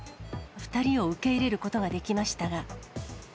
２人を受け入れることができましたが。